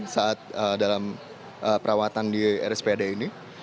saat dalam perawatan di rspad ini